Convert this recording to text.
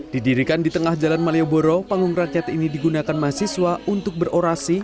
didirikan di tengah jalan malioboro panggung rakyat ini digunakan mahasiswa untuk berorasi